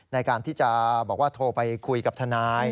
ในการที่จะบอกว่าโทรไปคุยกับทนาย